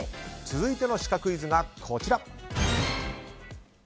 続いてのシカクイズがこちら。